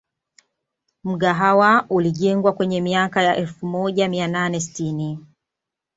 Mgahawa ulijengwa kwenye miaka ya elfu moja mia nane sitini